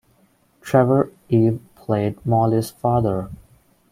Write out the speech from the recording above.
Trevor Eve played Molly's father.